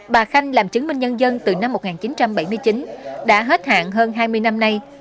bà khanh làm chứng minh nhân dân từ năm một nghìn chín trăm bảy mươi chín đã hết hạn hơn hai mươi năm nay